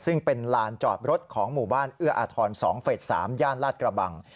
ซึ่งเป็นลานจอดรถของหมู่บ้านเอื้ออาทร๒เฟส๓ย่านลาดกระบัง